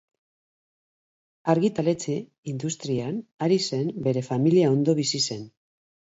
Argitaletxe industrian ari zen bere familia ondo bizi zen.